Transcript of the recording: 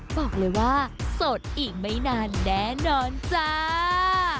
บอกเลยว่าโสดอีกไม่นานแน่นอนจ้า